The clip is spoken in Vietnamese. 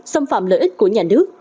xâm phạm lợi ích của nhà nước